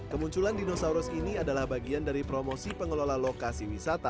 kemunculan dinosaurus ini adalah bagian dari promosi pengelola lokasi wisata